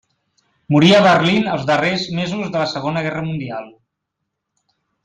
Morí a Berlín els darrers mesos de la Segona Guerra Mundial.